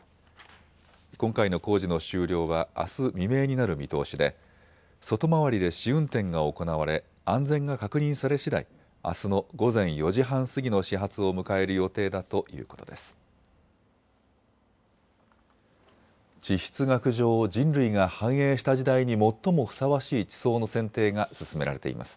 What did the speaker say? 今回の工事の終了はあす未明になる見通しで、外回りで試運転が行われ安全が確認されしだいあすの午前４時半過ぎの始発を迎える予定だということです。